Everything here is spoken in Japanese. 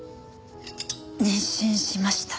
妊娠しました。